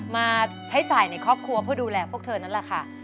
มาใช้จ่ายในครอบครัวเพื่อดูแลพวกเธอนั่นแหละค่ะ